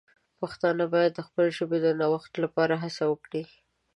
پښتانه باید د خپلې ژبې د نوښت لپاره هڅه وکړي.